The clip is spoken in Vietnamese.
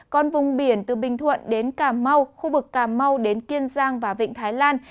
còn vùng biển từ bình thuận đến cà mau khu vực cà mau đến kiên giang và vịnh thái lan